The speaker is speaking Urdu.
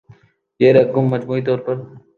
یہ رقم مجموعی طور پر